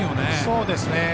そうですね。